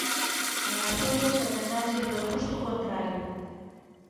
En Asturias, a tendencia foi xusto a contraria.